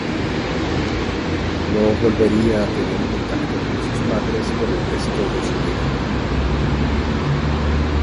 No volvería a tener contacto con sus padres por el resto de su vida.